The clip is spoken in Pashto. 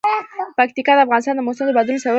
پکتیکا د افغانستان د موسم د بدلون سبب کېږي.